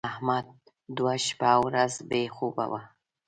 احمد دوه شپه او ورځ بې خوبه و.